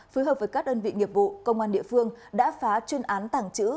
phối hợp với các đơn vị nghiệp vụ công an địa phương đã phá chuyên án tàng trữ